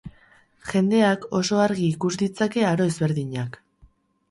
Jendeak oso argi ikus ditzake aro ezberdinak.